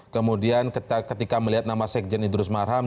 kemudian ketika melihat nama sekjen idrus marham